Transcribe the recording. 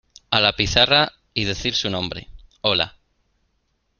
a la pizarra y decir su nombre. hola .